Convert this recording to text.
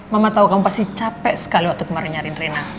mama tau kamu pasti capek sekali waktu kemarin nyariin rina